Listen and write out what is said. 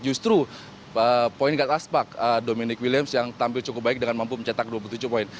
justru point guard aspak dominic williams yang tampil cukup baik dengan mampu mencetak dua puluh tujuh poin